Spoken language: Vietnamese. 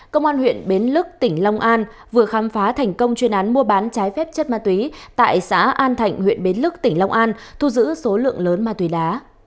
công an huyện bến lức tỉnh long an vừa khám phá thành công chuyên án mua bán trái phép chất ma túy tại xã an thạnh huyện bến lức tỉnh long an thu giữ số lượng lớn ma túy đá